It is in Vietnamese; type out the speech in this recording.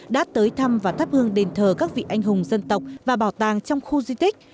đã tới thăm và thắp hương đền thờ các vị anh hùng dân tộc và bảo tàng trong khu di tích